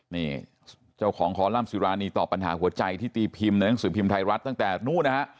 นี่เจ้าของคอลัมป์สิรานีตอบปัญหาหัวใจที่ตีพิมพ์ในหนังสือพิมพ์ไทยรัฐตั้งแต่นู้นนะฮะ